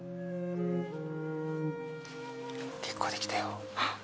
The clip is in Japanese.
結構できたよ。